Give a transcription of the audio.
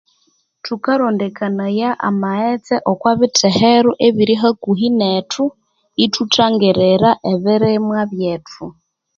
Thukarondekanaya amaghetse okwa bithehero ebirihakuhi nethu ithuthangirira ebirimwa byethu.